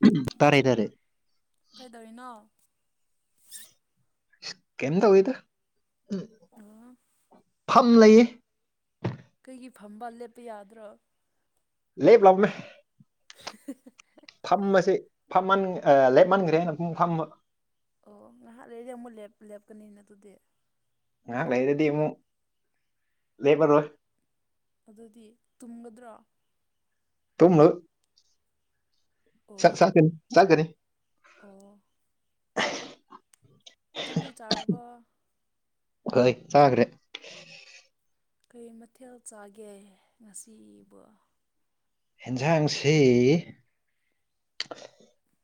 [unintelligible] ꯇꯥꯔꯦ ꯇꯔꯦ ꯀꯩꯗꯧꯔꯤꯅꯣ ꯀꯩꯝ ꯇꯧꯗꯦꯗ ꯎ ꯑꯣ ꯐꯝ ꯂꯩꯌꯦ ꯀꯩꯒꯤ ꯐꯝꯕ ꯂꯦꯞꯄ ꯌꯥꯗ꯭ꯔꯣ ꯂꯦꯕ ꯂꯧꯅꯦ [unintelligible] ꯐꯝꯕꯁꯦ ꯐꯝꯃꯟ ꯑ ꯂꯦꯞꯃꯟꯒ꯭ꯔꯦꯅ ꯑꯃꯨꯛ ꯐꯝꯕ ꯑꯣ ꯉꯥꯍꯥꯛ ꯂꯩꯗꯤ ꯑꯃꯨꯛ ꯂꯦꯞ ꯂꯦꯞꯀꯅꯤꯅ ꯑꯗꯨꯗꯤ ꯉꯍꯥꯛ ꯂꯩꯔꯗꯗꯤ ꯃꯨꯛ ꯂꯦꯄꯔꯣꯏ ꯑꯗꯨꯗꯤ ꯇꯨꯝꯒꯗ꯭ꯔꯣ ꯇꯨꯝ ꯔꯛ ꯑꯣ ꯆꯥꯛ ꯆꯥꯒꯅꯤ ꯆꯥꯒꯅꯤ ꯑꯣ ꯆꯥꯛꯗꯤ ꯆꯥꯔꯕꯣ ꯒꯩ ꯆꯥꯒ꯭ꯔꯦ ꯀꯩ ꯃꯊꯦꯜ ꯆꯥꯒꯦ ꯉꯁꯤꯕꯣ ꯍꯦꯟꯖꯥꯡꯁꯦ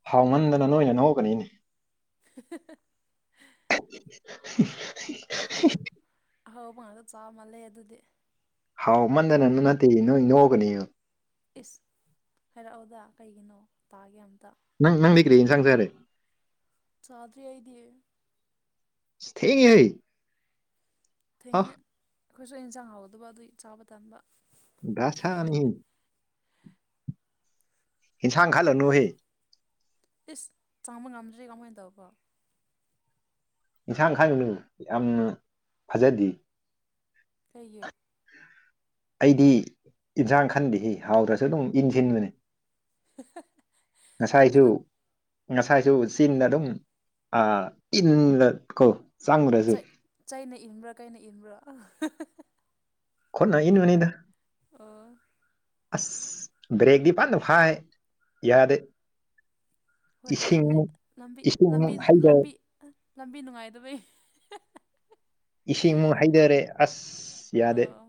ꯍꯥꯎꯃꯟꯗꯅ ꯅꯣꯏꯅ ꯅꯣꯛꯒꯅꯤꯅꯦ [unintelligible] [inaudible] ꯍꯥꯎ ꯑꯍꯥꯎꯕ ꯉꯥꯛꯇ ꯆꯥ ꯃꯥꯜꯂꯦ ꯑꯗꯨꯗꯤ ꯍꯥꯎꯃꯟꯗꯅꯅ ꯅꯠꯇꯦ ꯅꯣꯏ ꯅꯣꯛꯒꯅꯤ ꯏꯁ ꯍꯥꯏꯔꯛꯑꯣꯗ ꯀꯩꯒꯤꯅꯣ ꯇꯥꯒꯦ ꯑꯝꯇ ꯅꯪ ꯅꯪꯗꯤ ꯀ꯭ꯔꯤ ꯏꯟꯁꯥꯡ ꯆꯥꯔꯦ ꯆꯥꯗ꯭ꯔꯤ ꯑꯩꯗꯤ ꯏꯁ ꯊꯦꯡꯉꯤꯍꯩ ꯊꯤꯡꯉꯦ ꯑꯩꯈꯣꯏꯁꯨ ꯏꯟꯁꯥꯡ ꯍꯥꯎꯗꯕ ꯑꯗꯨꯏ ꯆꯥꯕ ꯇꯟꯕ ꯗꯁꯥꯅꯤꯍꯦ ꯏꯟꯁꯥꯡ ꯈꯜꯂꯅꯨꯍꯦ ꯢꯁ ꯆꯪꯕ ꯉꯝꯗ꯭ꯔꯤ ꯀꯃꯥꯏꯟ ꯇꯧꯕ ꯢꯟꯁꯥꯡ ꯈꯥꯢꯔꯨꯅꯨ ꯌꯥꯝꯅ ꯐꯖꯗꯤ ꯀꯩꯒꯤ ꯑꯩꯗꯤ ꯏꯟꯁꯥꯡ ꯈꯟꯗꯦꯍꯦ ꯍꯥꯎꯗ꯭ꯔꯁꯨ ꯑꯗꯨꯝ ꯏꯟꯖꯤꯟꯕꯅꯦ [unintelligible] ꯉꯁꯥꯏꯁꯨ ꯑꯗꯨ ꯉꯁꯥꯏꯁꯨ ꯆꯤꯟꯗ ꯑꯗꯨꯝ ꯑꯥ ꯏꯟꯂ ꯀꯣ ꯆꯪꯉꯨꯔꯖꯨ ꯆꯩ ꯆꯩꯅ ꯏꯟꯕ꯭ꯔꯥ ꯀꯩꯅ ꯏꯟꯕ꯭ꯔꯥ ꯈꯨꯠꯅ ꯏꯟꯕꯅꯤꯗ ꯑꯣ ꯑꯁ ꯕ꯭ꯔꯦꯛꯗꯤ ꯐꯟꯅ ꯐꯥꯏ ꯌꯥꯗꯦ ꯍꯣꯏ ꯑꯣꯏꯔꯝꯅꯤ ꯏꯁꯤꯡꯃꯨꯛ ꯂꯝꯕꯤ ꯂꯝꯕꯤ ꯏꯁꯤꯡꯃꯨꯛ ꯍꯩꯊꯔꯦ ꯂꯝꯕꯤ ꯑꯥ ꯂꯝꯕꯤ ꯅꯨꯡꯉꯥꯏꯗꯕꯩ ꯏꯁꯤꯡ ꯃꯨꯛ ꯍꯩꯗꯔꯦ ꯑꯁ ꯌꯥꯗꯦ ꯑꯥ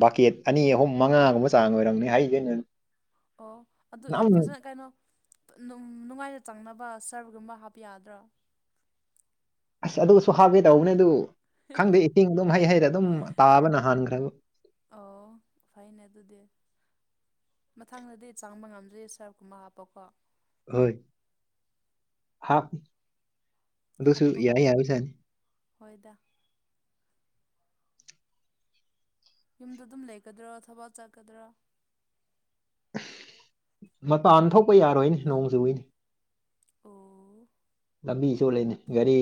ꯕꯥꯀꯦꯠ ꯑꯅꯤ ꯑꯍꯨꯝ ꯃꯉꯥꯒꯨꯝꯕ ꯆꯥꯡ ꯑꯣꯏꯔꯝꯅꯤ ꯍꯩꯗ ꯑꯩꯟ ꯑꯣ ꯑꯗꯨ ꯢ ꯐꯖꯟ ꯀꯩꯅꯣ ꯅꯨꯡ ꯅꯨꯡꯉꯥꯏꯅ ꯆꯪꯅꯕ ꯁ꯭ꯔꯒꯨꯝꯕ ꯍꯥꯞꯄ ꯌꯥꯗ꯭ꯔꯣ ꯑꯁ ꯑꯗꯨꯁꯨ ꯍꯥꯞꯒꯦ ꯇꯧꯕꯅꯦ ꯑꯗꯨ ꯈꯪꯗꯦ ꯏꯇꯤꯡ ꯗꯨꯝ ꯍꯩ ꯍꯩꯔ ꯑꯗꯨꯝ ꯇꯥꯕꯅ ꯍꯥꯟꯈ꯭ꯔꯦꯕ ꯑꯣ ꯐꯩꯅꯦ ꯑꯗꯨꯗꯤ ꯃꯊꯪꯗꯗꯤ ꯆꯪꯕ ꯉꯝꯗ꯭ꯔꯗꯤ ꯁ꯭ꯔꯐꯀꯨꯝꯕ ꯍꯥꯞꯄꯣꯀꯣ ꯍꯣꯏ ꯍꯥꯞ ꯑꯗꯨꯁꯨ ꯍꯥꯞꯄꯣ ꯌꯥꯢ ꯌꯥꯕ ꯖꯥꯠꯅꯤ ꯍꯣꯏꯗ ꯌꯨꯝꯗ ꯗꯨꯝ ꯂꯩꯒꯗ꯭ꯔꯣ ꯊꯕꯛ ꯆꯠꯀꯗ꯭ꯔꯥ ꯃꯄꯥꯟ ꯊꯣꯛꯄ ꯌꯥꯔꯣꯏꯅꯦ ꯅꯣꯡ ꯆꯨꯏꯅꯤ ꯑꯣ ꯂꯝꯕꯤ ꯆꯣꯠꯂꯦꯅꯦ ꯒꯥꯔꯤ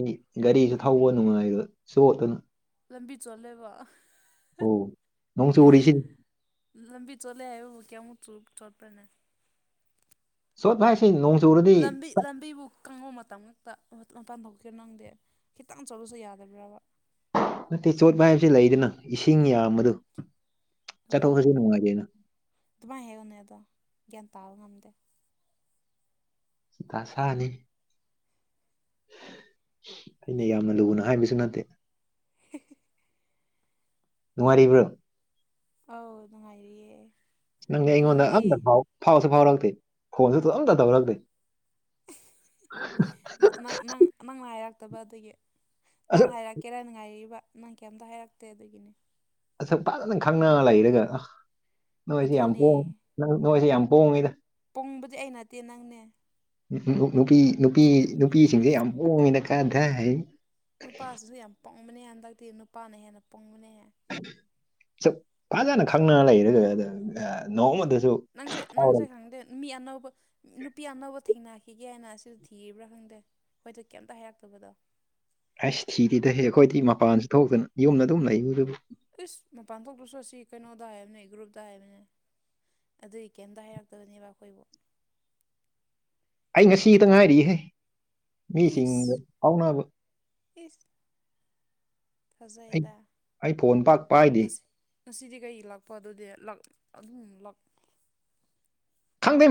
ꯒꯥꯔꯤꯖꯨ ꯊꯧꯕ ꯅꯨꯡꯉꯥꯏꯔꯣꯢ ꯆꯣꯠꯇꯅ ꯂꯝꯕꯤ ꯆꯣꯠꯂꯦꯕ ꯑꯣ ꯅꯣꯡ ꯆꯨꯔꯤꯁꯤ ꯂꯝꯕꯤ ꯆꯣꯠꯂꯦ ꯍꯥꯏꯕꯕꯨ ꯀ꯭ꯌꯥꯃꯨꯛ ꯆꯨ ꯆꯣꯠꯄ꯭ꯔꯅꯦ ꯆꯣꯠꯄ ꯍꯥꯏꯁꯦ ꯅꯣꯡ ꯆꯨꯨꯔꯗꯤ ꯂꯝꯕꯤ ꯂꯝꯕꯤꯕꯨ ꯀꯪꯕ ꯃꯇꯝ ꯉꯛꯇ ꯑꯟ ꯃꯄꯥꯟ ꯊꯣꯛꯀꯦ ꯅꯪꯗꯤ ꯈꯤꯇꯪ ꯆꯣꯠꯂꯁꯨ ꯌꯥꯗꯕ꯭ꯔꯕ ꯅꯠꯇꯦ ꯆꯣꯠꯄ ꯍꯥꯏꯕꯁꯤ ꯂꯩꯗꯅ ꯏꯁꯤꯡ ꯌꯥꯝꯕꯗꯨ ꯆꯠꯊꯣꯛ ꯆꯠꯁꯨ ꯅꯨꯡꯉꯥꯏꯇꯦꯅ ꯗꯨꯃꯥꯏ ꯍꯥꯢꯌꯣꯅꯦꯗꯣ ꯒ꯭ꯌꯥꯟ ꯇꯥꯕ ꯉꯝꯗꯦ ꯗꯥꯁꯥꯅꯤ ꯑꯩꯅ ꯌꯥꯝꯅ ꯂꯨꯅ ꯍꯥꯏꯕꯁꯨ ꯅꯠꯇꯦ [unintelligible] ꯅꯨꯡꯉꯥꯢꯔꯤꯕ꯭ꯔꯣ ꯑꯧ ꯅꯨꯡꯉꯥꯏꯔꯤꯌꯦ ꯅꯪꯗꯤ ꯑꯩꯉꯣꯟꯗ ꯑꯝꯇ ꯐꯥꯎ ꯐꯥꯎꯁꯨ ꯐꯥꯎꯔꯛꯇꯦ ꯐꯣꯟꯁꯨ ꯑꯝꯇ ꯇꯧꯔꯛꯇꯦ [unintelligible] ꯅꯥ ꯅꯪ ꯅꯪ ꯅꯪꯅ ꯍꯥꯏꯔꯛꯇꯕ ꯑꯗꯨꯒꯤ ꯅꯪ ꯑꯁꯨꯛ ꯍꯥꯏꯔꯛ ꯀꯦꯔꯟ ꯉꯥꯏꯔꯤꯕ ꯅꯪ ꯀꯩꯝꯇ ꯍꯥꯏꯔꯛꯇꯦ ꯑꯗꯨꯒꯤꯅꯤ ꯑꯁꯨꯛ ꯐꯥꯖꯅ ꯈꯪꯅꯥ ꯂꯩꯔꯒ ꯑꯥ ꯅꯣꯏꯁꯤ ꯌꯥꯝ ꯑꯗꯨꯅꯦ ꯄꯣꯡ ꯅꯪ ꯅꯣꯏꯁꯤ ꯌꯥꯝ ꯄꯣꯡꯉꯤꯗ ꯄꯣꯡꯕꯗꯤ ꯑꯩ ꯅꯠꯇꯦ ꯅꯪꯅꯦ ꯅꯨ ꯅꯨ ꯅꯨꯄꯤ ꯅꯨꯄꯤ ꯅꯨꯄꯤꯁꯤꯡꯁꯦ ꯌꯥꯝ ꯍꯣꯡꯉꯤꯗ ꯀꯗꯥꯢꯍꯤ ꯅꯨꯄꯥꯁꯤꯁꯨ ꯌꯥꯝ ꯄꯣꯡꯕꯅꯦ ꯍꯟꯗꯛꯇꯤ ꯅꯨꯄꯥꯅ ꯍꯦꯟꯅ ꯄꯣꯡꯕꯅꯦ ꯆꯞ ꯐꯥꯖꯅ ꯈꯪꯅ ꯂꯩꯔꯒ ꯑꯥ ꯅꯣꯡꯃꯗꯁꯨ ꯅꯪꯁꯦ ꯐꯥꯎꯔꯛ ꯅꯪꯁꯦ ꯈꯪꯗꯦ ꯃꯤ ꯑꯅꯧꯕ ꯅꯨꯄꯤ ꯑꯅꯧꯕ ꯊꯦꯡꯅꯈꯤꯒꯦꯅ ꯑꯁꯤꯁꯨ ꯊꯤꯔꯤꯕ꯭ꯔꯥ ꯈꯪꯗꯦ ꯑꯩꯈꯣꯏꯗ ꯀꯩꯝꯇ ꯍꯥꯏꯔꯛꯇꯕꯗꯣ ꯑꯩꯁ ꯊꯤꯗꯦꯗꯍꯦ ꯑꯈꯣꯏꯗꯤ ꯃꯄꯥꯟꯁꯨ ꯊꯣꯛꯇꯅ ꯌꯨꯝꯗ ꯑꯗꯨꯝ ꯂꯩꯕꯗꯨꯕꯨ ꯎꯏꯁ ꯃꯄꯥꯟ ꯊꯣꯛꯇꯔꯁꯨ ꯁꯤ ꯀꯩꯅꯣꯗ ꯍꯥꯏꯕꯅꯦ ꯒ꯭ꯔꯨꯞꯇ ꯍꯥꯏꯕꯅꯦ ꯑꯗꯨꯏ ꯀꯩꯝꯇ ꯍꯥꯏꯔꯛꯇꯕꯅꯦꯕ ꯑꯈꯣꯏꯕꯨ ꯑꯩ ꯉꯁꯤ ꯉꯥꯇ ꯉꯥꯏꯔꯤꯍꯦ ꯃꯤꯁꯤꯡꯗ ꯏꯁ ꯐꯥꯎꯅꯕ ꯏꯁ ꯐꯖꯩꯗ ꯑꯩ ꯐꯣꯟ ꯄꯥꯛ ꯄꯥꯥꯏꯗꯦ ꯉꯁꯤ ꯉꯁꯤꯗꯤ ꯀꯩꯒꯤ ꯂꯥꯛꯄ ꯑꯗꯨꯗꯤ ꯂꯥꯛ ꯑꯗꯨꯝ ꯂꯥꯛ ꯈꯪꯗꯦ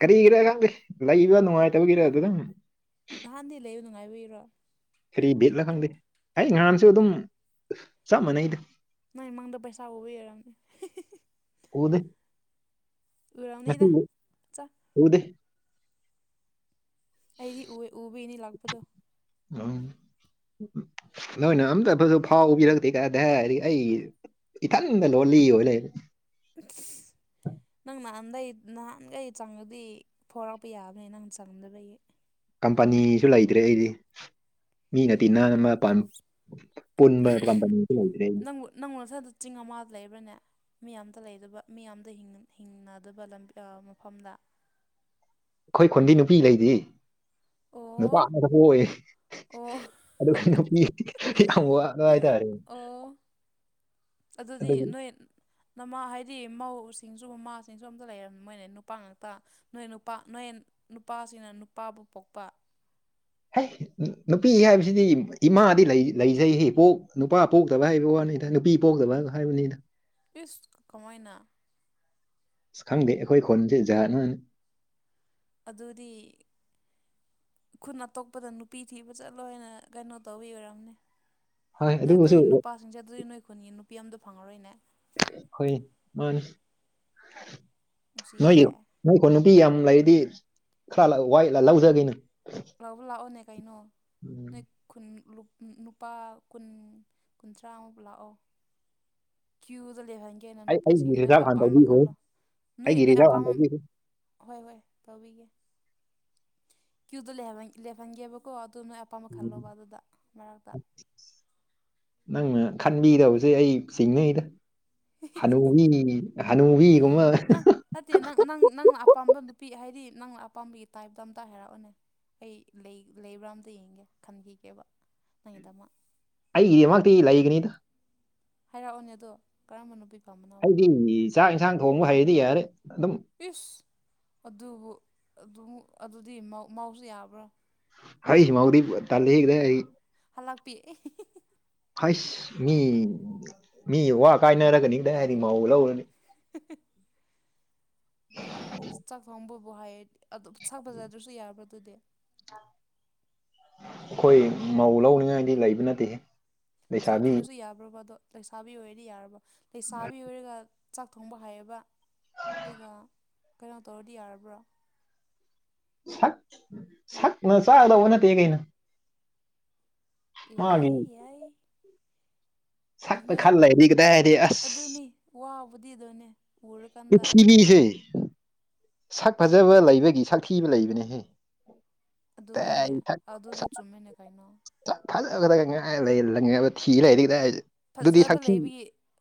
ꯀꯔꯤꯒꯤꯔ ꯈꯪꯗꯦ ꯂꯩꯕ ꯅꯨꯡꯉꯥꯏꯇꯕꯒꯤꯔ ꯑꯗꯨ ꯗꯨꯝ ꯅꯍꯥꯟꯗꯤ ꯂꯩꯕ ꯅꯨꯡꯉꯥꯏꯕꯒꯤꯔꯣ ꯀꯔꯤ ꯕꯤꯠꯂ ꯈꯪꯗꯦ ꯑꯩ ꯉꯍꯥꯟꯁꯨ ꯑꯗꯨꯝ ꯆꯞ ꯃꯥꯟꯅꯩꯗ ꯅꯪ ꯃꯪꯗ ꯄꯩꯁꯥ ꯎꯕꯥ ꯑꯣꯏꯔꯝꯅꯤ ꯎꯗꯦ ꯎꯔꯝꯅꯤꯗ ꯉꯁꯤꯗꯤ ꯆꯥ ꯎꯗꯦ ꯑꯩꯗꯤ ꯎ ꯎꯕꯩꯅꯤ ꯂꯥꯛꯄꯗꯣ ꯎꯝ ꯅꯣꯏꯅ ꯑꯝꯇ ꯐꯖ ꯐꯥꯎꯕꯤꯔꯛꯇꯦ ꯀꯥꯏꯗꯥꯒꯤ ꯑꯩ ꯏꯊꯟꯇꯥ ꯂꯣꯜꯂꯤ ꯑꯣꯏ ꯂꯩꯔꯦ [unintelligible] ꯅꯪ ꯅꯍꯥꯟꯗꯩ ꯅꯍꯥꯟꯒꯩ ꯆꯪꯉꯗꯤ ꯐꯥꯎꯔꯛꯄ ꯌꯥꯕꯅꯦ ꯅꯪꯅ ꯆꯪꯗꯕꯒꯤ ꯀꯝꯄꯅꯤꯁꯨ ꯂꯩꯇ꯭ꯔꯦ ꯑꯩꯗꯤ ꯃꯤꯅ ꯇꯤꯟꯅ ꯑꯃ ꯄ ꯅꯪꯕꯨ ꯅꯪꯕꯨ ꯅꯊꯟꯇ ꯆꯤꯡ ꯑꯃꯗ ꯂꯩꯕ꯭ꯔꯅꯦ ꯃꯤ ꯑꯃꯇꯥ ꯂꯩꯇꯕ ꯃꯤ ꯑꯃꯗ ꯍꯤꯡꯅꯗꯕ ꯂꯝ ꯃꯐꯝꯂꯥ ꯑꯈꯣꯏ ꯈꯨꯟꯗꯤ ꯅꯨꯄꯤ ꯂꯩꯗꯤ ꯅꯨꯄꯥ ꯑꯣ ꯉꯥꯛꯇ ꯄꯣꯛꯑꯦ ꯑꯣ ꯑꯗꯨꯒꯤ ꯅꯨꯄꯤ ꯌꯥꯝ ꯋꯥ ꯑꯣ ꯑꯗꯨꯗꯤ ꯑꯗꯨꯒꯤ ꯅꯣꯏ ꯅꯃꯥ ꯍꯥꯏꯗꯤ ꯃꯧꯁꯤꯡꯁꯨ ꯃꯃꯥꯁꯤꯡꯁꯨ ꯑꯝꯇ ꯂꯩꯔꯝꯃꯣꯏꯅꯦ ꯅꯨꯄꯥ ꯉꯥꯛꯇ ꯅꯣꯏ ꯅꯨꯄꯥ ꯅꯣꯏ ꯅꯨꯄꯥꯁꯤꯡꯅ ꯅꯨꯄꯥꯕꯨ ꯄꯣꯛꯄ ꯍꯩ ꯅꯨꯄꯤ ꯍꯥꯏꯕꯁꯤꯗꯤ ꯏꯃꯥꯗꯤ ꯂꯩꯖꯩ ꯍꯦ ꯄꯣꯛ ꯅꯨꯄꯥ ꯄꯣꯛꯇꯕ ꯍꯥꯏꯕ ꯋꯥꯅꯤ ꯑꯦ ꯅꯨꯄꯤ ꯄꯣꯛꯇꯕ ꯍꯥꯏꯕꯅꯤꯗ ꯏꯁ ꯀꯃꯥꯏꯅ ꯑꯁ ꯈꯪꯗꯦ ꯑꯩꯈꯣꯏ ꯈꯨꯟꯁꯦ ꯖꯥꯠ ꯑꯃꯅꯤ ꯑꯗꯨꯗꯤ ꯈꯨꯟ ꯑꯇꯣꯞꯄꯗ ꯅꯨꯄꯤ ꯊꯤꯕ ꯆꯠꯂꯣ ꯍꯥꯏꯅ ꯀꯩꯅꯣ ꯇꯧꯕꯤ ꯑꯣꯏꯔꯝꯅꯤ ꯍꯣꯏ ꯅꯣꯏ ꯑꯗꯨꯕꯨꯁꯨ ꯈꯨꯟꯒꯤ ꯅꯨꯄꯥꯥꯁꯤꯡꯁꯦ ꯑꯗꯨꯗꯤ ꯅꯣꯏ ꯈꯨꯟꯒꯤ ꯅꯨꯄꯤ ꯑꯝꯇ ꯐꯪꯉꯔꯣꯏꯅꯦ ꯍꯣꯏ ꯃꯥꯅꯤ ꯅꯣꯏꯌꯨ ꯅꯨꯡꯁꯤꯌꯦꯍꯦ ꯅꯣꯢ ꯈꯨꯟ ꯅꯨꯄꯤ ꯌꯥꯝ ꯂꯩꯔꯗꯤ ꯈꯔ ꯂꯧ ꯋꯥꯏ ꯂꯧꯖꯒꯦꯅꯦ ꯂꯧꯕ ꯂꯥꯛꯑꯣꯅꯦ ꯀꯩꯅꯣ ꯎꯝ ꯅꯣꯏ ꯈꯨꯟ ꯂꯨꯞ ꯎꯝ ꯅꯨꯄꯥ ꯀꯨꯟ ꯀꯨꯟꯊ꯭ꯔꯥꯃꯨꯛ ꯂꯥꯛꯑꯣ ꯀ꯭ꯌꯨꯗ ꯂꯩꯍꯟꯒꯦꯅ ꯅꯪ ꯑꯩ ꯑꯩꯒꯤ ꯅꯨꯄꯤꯁꯤꯡ ꯅꯣꯏ ꯔꯤꯖꯥꯕ ꯍꯥꯟꯅ ꯑꯄꯥꯝꯕ ꯇꯧꯕꯤꯈꯣ ꯈꯜꯂꯣ ꯅꯣꯏ ꯑꯩꯒꯤ ꯅꯣꯏ ꯔꯤꯖꯥꯕ ꯍꯥꯟꯅ ꯑꯄꯥꯝꯕ ꯇꯧꯕꯤꯈꯣ ꯍꯣꯏ ꯍꯣꯏ ꯇꯧꯕꯤꯒꯦ ꯀ꯭ꯌꯨꯗ ꯂꯦꯞꯍꯟ ꯂꯦꯞꯍꯟꯒꯦꯕꯀꯣ ꯑꯗꯨ ꯅꯣꯏ ꯑꯄꯥꯝꯕ ꯎꯝ ꯈꯜꯂꯣꯕꯥ ꯑꯗꯨꯗ ꯃꯔꯛꯇ ꯅꯪꯅ ꯈꯟꯕꯤꯗꯕꯁꯦ ꯑꯩ ꯆꯤꯡꯅꯩꯗ ꯍꯅꯨꯕꯤꯅꯤꯅꯤꯅꯦ ꯍꯅꯨꯕꯤꯒꯨꯝꯕ ꯅꯪ ꯅꯠꯇꯦ ꯅꯪ ꯅꯪ ꯅꯪꯅ ꯑꯄꯥꯝꯕ ꯅꯨꯄꯤ ꯍꯥꯏꯗꯤ ꯅꯪꯅ ꯑꯄꯥꯝꯕꯒꯤ ꯇꯥꯏꯞꯇ ꯑꯝꯇ ꯍꯥꯏꯔꯛꯑꯣꯅꯦ ꯑꯩ ꯂꯩ ꯂꯩꯕ꯭ꯔꯥ ꯑꯝꯇ ꯌꯦꯡꯒꯦ ꯈꯟꯕꯤꯒꯦꯕ ꯅꯪꯒꯤꯗꯃꯛ ꯑꯩ ꯗꯃꯛꯇꯤ ꯂꯩꯒꯅꯤꯗ ꯍꯥꯏꯔꯛꯑꯣꯅꯦ ꯑꯗꯣ ꯀꯔꯝꯕ ꯅꯨꯄꯤ ꯄꯥꯝꯕꯅꯣ ꯑꯩꯗꯤ ꯆꯥꯛ ꯏꯟꯁꯥꯡ ꯊꯣꯡꯕ ꯍꯩꯔꯗꯤ ꯌꯥꯔꯦ ꯑꯗꯨꯝ ꯏꯁ ꯑꯗꯨꯕꯨ ꯑꯗꯨꯝ ꯑꯗꯨꯗꯤ ꯃꯧ ꯃꯧꯁꯨ ꯌꯥꯕ꯭ꯔꯥ ꯍꯩꯁ ꯃꯧꯗꯤ ꯇꯜꯂꯤꯍꯦ ꯀꯗꯥꯢꯗꯒꯤ ꯍꯥꯜꯂꯛꯄꯤ ꯑꯦ ꯍꯦ ꯍꯦ ꯍꯥꯢꯁ ꯃꯤ ꯃꯤ ꯋꯥ ꯀꯥꯏꯅꯔꯒꯅꯤꯗ ꯍꯥꯏꯗꯤ ꯃꯧ ꯂꯧꯔꯗꯤ [unintelligible] ꯑꯦ ꯆꯥꯛ ꯊꯣꯡꯕꯕꯨ ꯍꯥꯏꯌꯦ ꯑꯗꯨ ꯆꯥꯛ ꯐꯖꯗ꯭ꯔꯁꯨ ꯌꯥꯕ꯭ꯔꯥ ꯑꯗꯨꯗꯤ ꯑꯩꯈꯣꯏ ꯃꯧ ꯂꯧꯅꯤꯡꯉꯥꯏꯗꯤ ꯂꯩꯕ ꯅꯠꯇꯦꯍꯦ ꯁꯛ ꯂꯩꯁꯥꯕꯤ ꯊꯤꯔꯁꯨ ꯌꯥꯕ꯭ꯔꯣꯕ ꯑꯗꯣ ꯂꯩꯁꯥꯕꯤ ꯑꯣꯏꯔꯗꯤ ꯌꯥꯔꯕꯣ ꯂꯩꯁꯥꯕꯤ ꯑꯣꯏꯔꯒ ꯆꯥꯛ ꯊꯣꯡꯕ ꯍꯥꯏꯌꯦꯕ ꯑꯗꯨꯒ ꯀꯩꯅꯣ ꯇꯧꯔꯗꯤ ꯌꯥꯔꯕ꯭ꯔꯣ ꯁꯛ ꯁꯛꯅ ꯆꯥꯒꯗꯧꯕ ꯅꯠꯇꯦ ꯀꯩꯅꯣ ꯌꯥꯏ ꯃꯥꯒꯤ ꯌꯥꯏ ꯁꯛꯇ ꯅꯣꯏ ꯈꯜ ꯂꯩꯔꯗꯤ ꯀꯗꯥꯏꯗꯤ ꯑꯗꯨꯅꯤ ꯑꯁ ꯋꯥꯕꯨꯗꯤ ꯑꯗꯨꯅꯦ ꯎꯔꯀꯥꯟꯗ ꯄ꯭ꯔꯤꯊꯤꯕꯤꯁꯦ ꯁꯛ ꯐꯖꯕ ꯂꯩꯕꯒꯤ ꯁꯛꯊꯤꯕ ꯂꯩꯕꯅꯦꯍꯦ ꯀꯗꯥꯏ ꯑꯗꯨꯅꯦ ꯑꯗꯨꯗꯤ ꯆꯨꯝꯃꯦꯅꯦ ꯀꯩꯅꯣ ꯐꯖꯕꯗ ꯉꯥꯏ ꯂꯩ ꯂꯪꯕ ꯊꯤ ꯂꯩꯔꯗꯤ ꯀꯗꯥꯢꯗꯩ ꯐꯖꯕ ꯂꯩꯕꯤ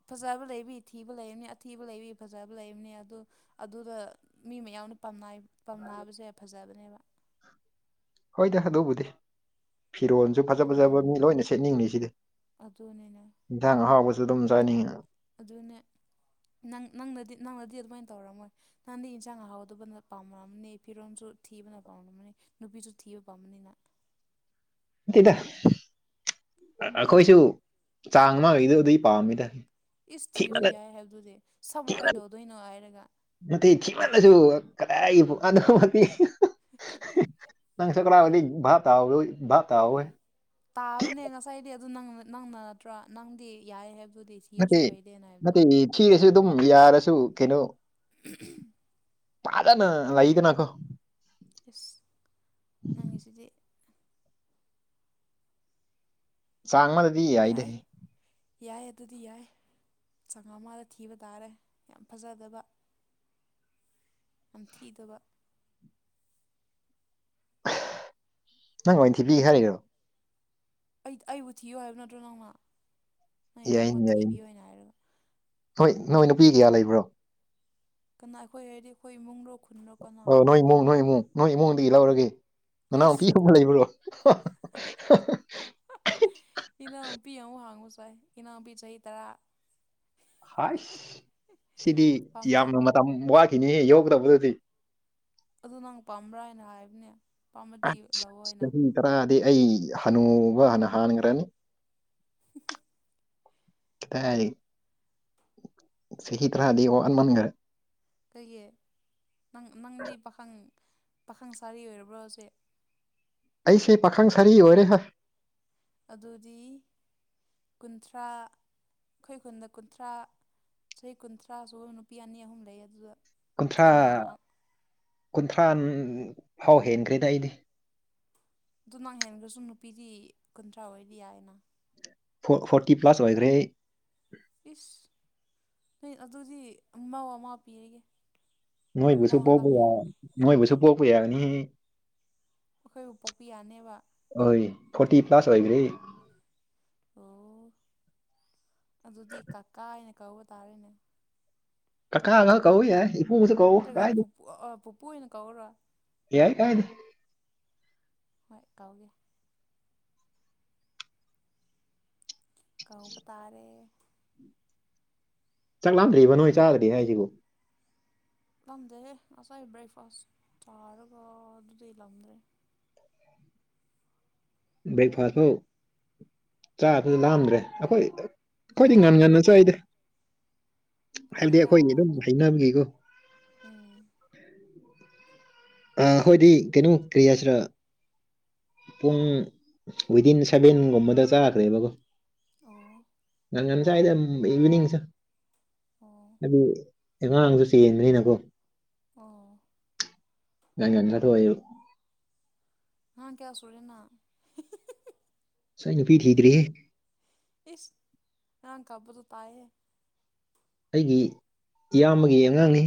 ꯐꯖꯕ ꯂꯩꯕꯤ ꯊꯤꯕ ꯂꯩꯅꯤ ꯑꯊꯤꯕ ꯂꯩꯕꯤ ꯐꯖꯕ ꯂꯩꯝꯅꯤ ꯑꯗꯨ ꯑꯗꯨꯗ ꯃꯤ ꯃꯌꯥꯝꯅ ꯄꯤꯝꯅꯩ ꯄꯥꯝꯅꯕꯁꯦ ꯐꯖꯕꯅꯦꯕ ꯍꯣꯏꯗ ꯑꯗꯨꯕꯨꯗꯤ ꯐꯤꯔꯣꯟ ꯁꯨ ꯐꯖ ꯐꯖꯕ ꯑꯗꯨꯅꯤꯅꯦ ꯃꯤ ꯂꯣꯏꯅ ꯁꯦꯠꯅꯤꯡꯉꯤ ꯁꯤꯗꯤ ꯑꯗꯨꯅꯤꯅꯦ ꯏꯟꯁꯥꯡ ꯑꯍꯥꯎꯕꯁꯨ ꯑꯗꯨꯝ ꯆꯥꯅꯤꯡꯉꯤ ꯑꯗꯨꯅꯦ ꯅꯪ ꯅꯪꯅꯗꯤ ꯅꯪꯅꯗꯤ ꯑꯗꯨꯃꯥꯏ ꯇꯧꯔꯝꯃꯣꯏ ꯅꯪꯗꯤ ꯢꯟꯁꯥꯡ ꯑꯍꯥꯎꯇꯕꯅ ꯄꯥꯝꯔꯝꯅꯤ ꯐꯤꯔꯣꯝꯁꯨ ꯊꯤꯕꯅ ꯄꯥꯝꯔꯝꯅꯤ ꯅꯨꯄꯤꯁꯨ ꯊꯤꯕ ꯄꯥꯝꯕꯅꯤꯅ ꯇꯦꯗ ꯑꯥ ꯑꯈꯣꯏꯁꯨ ꯆꯥꯡ ꯃꯥꯒꯤꯗꯨꯏ ꯄꯥꯝꯃꯤꯗ ꯏꯁ ꯊꯤꯔꯁꯨ ꯊꯤꯃꯜꯂ ꯌꯥꯏ ꯍꯥꯏꯕꯗꯨꯗꯤ ꯁꯥꯕꯨ ꯊꯤꯃꯜ ꯀꯩꯗꯧꯗꯣꯏꯅꯣ ꯍꯥꯏꯔꯒ ꯅꯠꯇꯦ ꯊꯤꯃꯜꯂꯁꯨ ꯀꯗꯥꯏ ꯄꯅꯣ [unintelligible] [unintelligible] ꯅꯪ ꯁꯀ꯭ꯔꯥ ꯑꯣꯏꯂꯤ ꯚꯥꯞ [unintelligible] ꯚꯥꯞ ꯇꯥꯑꯣꯏ ꯇꯥꯕꯅꯦ ꯉꯁꯥꯏꯗꯤ ꯑꯗꯨ ꯅꯪ ꯅꯪꯅ ꯅꯠꯇ꯭ꯔꯣ ꯅꯪꯗꯤ ꯌꯥꯏ ꯍꯥꯏꯕꯗꯤ ꯅꯠꯇꯦ ꯅꯠꯇꯦ ꯊꯤꯔꯁꯨ ꯑꯗꯨꯝ ꯌꯥꯔꯁꯨ ꯀꯩꯅꯣ [unintelligible] ꯄꯥꯗꯅ ꯂꯩ ꯗꯅꯥꯀꯣ ꯑꯁ ꯅꯪꯉꯤꯁꯤꯗꯤ ꯆꯥꯡ ꯑꯃꯗꯗꯤ ꯌꯥꯏꯗꯦ ꯌꯥꯏ ꯌꯥꯏ ꯑꯗꯨꯗꯤ ꯌꯥꯏ ꯆꯥꯉ ꯑꯃꯗ ꯊꯤꯕ ꯇꯥꯔꯦ ꯌꯥꯝ ꯐꯖꯗꯕ ꯌꯥꯝ ꯊꯤꯗꯕ ꯅꯪ ꯑꯣꯏ ꯊꯤꯕꯤ ꯍꯥꯏꯔꯤꯔꯣ ꯑꯩ ꯑꯩꯕꯨ ꯊꯤꯌꯨ ꯍꯥꯏꯕ ꯅꯠꯇ꯭ꯔꯣ ꯅꯧꯅ ꯌꯥꯏꯅꯤ ꯌꯥꯏꯅꯤ ꯍꯥꯏꯔꯒ ꯍꯣꯏ ꯅꯣꯏ ꯅꯨꯄꯤ ꯀꯌꯥ ꯂꯩꯕ꯭ꯔꯣ ꯀꯅꯥ ꯑꯩꯈꯣꯏ ꯍꯥꯏꯔꯗꯤ ꯑꯩꯈꯣꯏ ꯏꯃꯨꯡꯔꯣ ꯈꯨꯟꯔꯣ ꯀꯅꯥ ꯅꯣꯏꯃꯨꯡ ꯅꯣꯏꯃꯨꯡ ꯅꯣꯏ ꯏꯃꯨꯡꯗꯒꯤ ꯂꯧꯔꯒꯦ ꯏꯁ ꯅꯅꯥꯎꯄꯤꯒꯨꯝꯕ ꯂꯩꯕ꯭ꯔꯣ [unintelligible] [unintelligible] ꯏꯅꯥꯎꯄꯤ ꯑꯃꯨꯛ ꯍꯥꯡꯉꯨ ꯁꯥꯏ ꯏꯅꯥꯎꯨꯄꯤ ꯆꯍꯤ ꯇꯔꯥ ꯍꯥꯏꯁ ꯁꯤꯗꯤ ꯄꯥꯝꯕ꯭ꯔꯣ ꯌꯥꯝꯅ ꯃꯇꯝ ꯋꯥꯈꯤꯅꯤꯍꯦ ꯌꯧꯗꯕꯗꯨꯗꯤ ꯑꯗꯨ ꯅꯪ ꯄꯥꯝꯕ꯭ꯔꯥ ꯍꯥꯏꯅ ꯍꯥꯏꯕꯅꯦ ꯄꯥꯝꯕꯗꯤ ꯑꯁ ꯂꯧꯑꯣ ꯍꯥꯏꯅ ꯆꯍꯤ ꯇꯔꯥꯗꯤ ꯑꯩ ꯍꯅꯨꯕ ꯍꯥꯟꯅ ꯍꯥꯟꯒꯔꯅꯤ꯫ ꯀꯗꯥꯢ ꯆꯍꯤ ꯇꯔꯥꯗꯤ ꯋꯥꯠꯃꯟꯒꯔꯦ ꯀꯩꯒꯤ ꯅꯪ ꯅꯪꯗꯤ ꯄꯥꯈꯪ ꯄꯥꯈꯪ ꯁꯥꯔꯤ ꯑꯣꯢꯔꯕ꯭ꯔꯣ ꯍꯧꯖꯤꯛ ꯑꯩꯁꯦ ꯄꯥꯈꯪ ꯁꯥꯔꯤ ꯑꯣꯢꯔꯦ ꯍ ꯑꯗꯨꯗꯤ ꯀꯨꯟꯊ꯭ꯔꯥ ꯑꯩꯈꯣꯢ ꯈꯨꯟꯗ ꯀꯨꯟꯊ꯭ꯔꯥ ꯆꯍꯤ ꯀꯨꯟꯊ꯭ꯔꯥꯁꯨꯕ ꯅꯨꯄꯤ ꯑꯅꯤ ꯑꯍꯨꯝ ꯂꯩꯌꯦ ꯑꯗꯨꯗ ꯀꯨꯟꯊ꯭ꯔꯥ ꯑꯃ ꯀꯨꯟꯊ꯭ꯔꯥ ꯐꯥꯎ ꯍꯦꯟꯈ꯭ꯔꯦꯗ ꯑꯩꯗꯤ ꯑꯗꯨ ꯅꯪ ꯍꯦꯟꯈ꯭ꯔꯁꯨ ꯅꯨꯄꯤꯗꯤ ꯀꯨꯟꯊ꯭ꯔꯥ ꯑꯣꯢꯗꯤ ꯌꯥꯢꯅ ꯐꯣ ꯐꯣꯔꯇꯤ ꯄ꯭ꯂꯁ ꯑꯣꯢꯒꯔꯦ ꯑꯩ ꯏꯁ ꯑꯗꯨꯗꯤ ꯃꯧ ꯑꯃ ꯄꯤꯔꯒꯦ ꯅꯣꯢꯕꯨꯁꯨ ꯃꯧ ꯄꯣꯛꯄ ꯍꯜꯂꯛꯄꯤ ꯌꯥ ꯑꯃ ꯅꯣꯢꯕꯨꯁꯨ ꯄꯣꯛꯄ ꯌꯥꯔꯅꯤꯍꯦ ꯑꯈꯣꯢꯕꯨ ꯄꯣꯛꯄ ꯌꯥꯅꯤꯕ ꯍꯣꯢ ꯐꯣꯔꯇꯤ ꯄ꯭ꯂꯥꯁ ꯑꯣꯢꯒꯔꯦ ꯑꯣ ꯑꯗꯨꯗꯤ ꯀꯥꯀꯥ ꯍꯥꯢꯅ ꯀꯧꯕ ꯇꯥꯔꯦꯅꯦ ꯀꯥꯀꯥ ꯉꯥꯛ ꯀꯧꯕ ꯌꯥꯢ ꯑꯗꯨ ꯑꯣꯢꯒ ꯄꯨꯄꯨ ꯑꯥ ꯄꯨꯄꯨ ꯑꯣꯢꯅ ꯀꯧꯔꯣ ꯌꯥꯢ ꯀꯥꯢꯗꯦ ꯍꯣꯢ ꯀꯧꯒꯦ ꯀꯧꯕ ꯇꯥꯔꯦ ꯆꯥꯛ ꯂꯥꯝꯗ꯭ꯔꯤꯕ ꯅꯣꯢ ꯆꯥꯗ꯭ꯔꯤ ꯍꯥꯢꯁꯤꯕꯨ ꯂꯥꯝꯗꯦꯍꯦ ꯉꯁꯥꯢ ꯕ꯭ꯔꯦꯛꯐꯥꯁ ꯆꯥꯔꯒ ꯑꯗꯨꯗꯩ ꯂꯥꯝꯗ꯭ꯔꯦ ꯕ꯭ꯔꯦꯛꯐꯥꯁ ꯐꯥꯎ ꯆꯥꯕꯁꯨ ꯂꯥꯝꯗ꯭ꯔꯦ ꯑꯩꯈꯣꯢ ꯑꯩꯈꯣꯢꯗꯤ ꯍꯣꯏ ꯉꯟ ꯉꯟꯅ ꯆꯥꯢꯗ ꯍꯥꯢꯕꯗꯤ ꯐꯩꯗ ꯑꯩꯈꯣꯢꯅꯤ ꯑꯗꯨꯅ ꯑꯗꯨꯝ ꯍꯩꯅꯝꯒꯤꯀꯣ ꯎꯝ ꯑꯥ ꯑꯩꯈꯣꯢꯗꯤ ꯀꯩꯅꯣ ꯀꯔꯤ ꯍꯥꯢꯁꯤꯔ ꯄꯨꯡ ꯋꯤꯗꯤꯟ ꯁꯚꯦꯟꯒꯨꯝꯕꯗ ꯆꯥꯈ꯭ꯔꯦꯕꯀꯣ ꯑꯣ ꯉꯟꯉꯟ ꯆꯥꯢꯗ ꯏꯚꯤꯅꯤꯡꯁꯨ ꯑꯣ ꯍꯥꯢꯗꯤ ꯑꯉꯥꯡꯁꯨ ꯆꯦꯟꯕꯅꯤꯅꯀꯣ ꯑꯣ ꯉꯟ ꯉꯟ ꯆꯊꯣꯛꯑꯕꯥ ꯑꯉꯥꯡ ꯀꯌꯥ ꯁꯨꯔꯦ ꯅꯪ ꯑꯁ ꯑꯩ ꯅꯨꯄꯤ ꯊꯤꯗ꯭ꯔꯤꯍꯦ ꯏꯁ ꯑꯉꯥꯡ ꯀꯞꯄꯗꯨ ꯇꯥꯢꯌꯦ ꯑꯩꯒꯤ ꯏꯌꯥꯝꯕꯒꯤ ꯑꯉꯥꯡꯅꯦ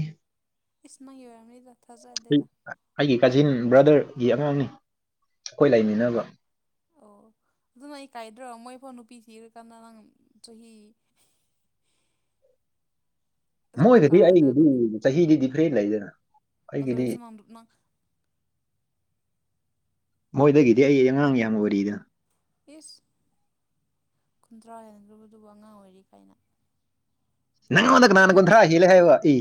ꯏꯁ ꯅꯪꯒꯤ ꯑꯣꯢꯔꯝꯅꯤꯗ ꯑꯩꯒꯤ ꯀꯥꯖꯤꯟ ꯕ꯭ꯔꯗꯔꯒꯤ ꯑꯉꯥꯡꯅꯤ ꯑꯩꯈꯣꯢ ꯂꯩꯃꯤꯟꯅꯕ ꯑꯣ ꯑꯗꯨ ꯅꯪ ꯏꯀꯥꯢꯗ꯭ꯔꯣ ꯃꯣꯢ ꯐꯥꯎ ꯅꯨꯄꯤ ꯊꯤꯔꯀꯥꯟꯗ ꯅꯪ ꯆꯍꯤ ꯑꯁꯨꯃꯨꯛ ꯃꯣꯢꯗꯗꯤ ꯀꯥꯔꯒ ꯑꯩꯒꯤꯗꯤ ꯅꯨꯄꯤ ꯆꯍꯤꯗꯤ ꯗꯤꯐ꯭ꯔꯦꯟ ꯂꯩꯗꯅ ꯑꯩꯒꯤꯗꯤ ꯐꯖꯔꯁꯨ ꯅꯪꯕꯨ ꯅꯪ ꯃꯣꯢꯗꯒꯤꯗꯤ ꯑꯩ ꯑꯉꯥꯡ ꯌꯥꯝ ꯑꯣꯢꯔꯤꯗ ꯏꯁ ꯀꯨꯟꯊ꯭ꯔꯥ ꯍꯦꯟꯗ꯭ꯔꯣꯕꯗꯨꯕꯨ ꯑꯉꯥꯡ ꯑꯣꯢꯔꯤ ꯀꯥꯢꯅ ꯅꯪꯉꯣꯟꯗ ꯀꯅꯥꯅ ꯀꯨꯟꯊ꯭ꯔꯥ ꯍꯦꯜꯂꯦ ꯍꯥꯏꯕꯥ ꯑꯦ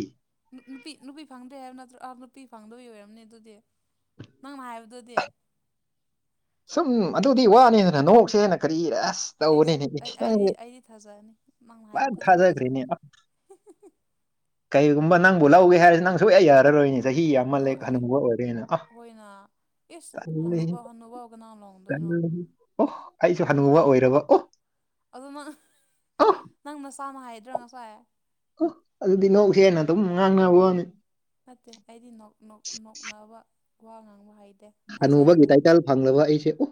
ꯅꯨ ꯅꯨꯄꯤ ꯅꯨꯄꯤ ꯐꯪꯗ꯭ꯔꯦ ꯍꯥꯏꯕ ꯅꯠꯇ꯭ꯔꯣ ꯑꯥ ꯅꯨꯄꯤ ꯐꯪꯗꯨꯏ ꯑꯣꯏꯔꯝꯅꯤ ꯗꯨꯗꯤ ꯅꯪꯅ ꯍꯥꯏꯕꯗꯨꯗꯤ ꯁꯨꯝ ꯑꯗꯨꯗꯤ ꯋꯥꯅꯤꯗꯅ ꯅꯣꯛꯁꯦꯅ ꯀꯔꯤ ꯑꯁ ꯏꯁ ꯇꯧꯕꯅꯤꯅꯦ ꯅꯪꯁꯦ ꯑꯩ ꯑꯩꯗꯤ ꯊꯥꯖꯅꯤ ꯅꯪꯅ ꯍꯥꯢꯕ ꯐꯖꯅ ꯈꯨꯗꯤꯡ ꯊꯥꯖꯈ꯭ꯔꯦꯅꯦ ꯊꯥꯖꯒꯅꯤ ꯑ ꯀꯩꯒꯨꯝꯕ ꯅꯪꯕꯨ ꯂꯧꯒꯦ ꯍꯥꯢꯔ ꯅꯪ ꯁꯨꯛꯌꯥ ꯌꯥꯔꯔꯣꯢꯅꯦ ꯆꯍꯤ ꯌꯥꯝ ꯑꯥ ꯑꯍꯣꯢ ꯍꯣꯢꯅ ꯢꯁ ꯇꯜꯂꯦꯍꯦ ꯍꯟꯅꯨꯕꯧ ꯍꯟꯅꯨꯕꯧ ꯀꯅꯥꯂꯣ [unintelligible] ꯑꯣ ꯑꯩꯁꯨ ꯍꯅꯨꯕ ꯑꯣꯢꯔꯕ ꯑꯣ ꯑꯗꯨ ꯅꯪ ꯑꯣ ꯅꯪ ꯅꯁꯥꯅ ꯍꯥꯢꯗ꯭ꯔꯥ ꯉꯁꯥꯢ ꯑꯣ ꯑꯗꯨꯗꯤ ꯅꯣꯛꯁꯦꯟꯅ ꯑꯗꯨꯝ ꯉꯥꯡꯅꯕ ꯋꯥꯅꯤ ꯅꯠꯇꯦ ꯑꯩꯗꯤ ꯅꯣꯛ ꯅꯣꯛ ꯅꯣꯛꯅꯕ ꯋꯥ ꯉꯥꯡꯕ ꯍꯩꯇꯦ ꯊꯥꯖꯔꯔꯣꯏ ꯍꯥꯅꯨꯕꯒꯤ ꯇꯥꯏꯇꯜ ꯐꯪꯂꯕ ꯑꯩꯁꯦ ꯑꯣ